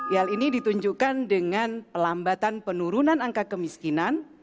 hal ini ditunjukkan dengan pelambatan penurunan angka kemiskinan